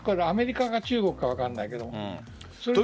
アメリカか中国か分からないけど。